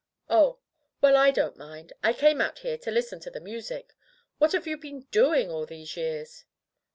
"Oh! Well, I don't mind. I came out here to listen to the music. What have you been doing all these years?"